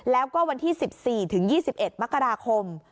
แล้วก็วันที่๑๔ถึง๒๑มกราคม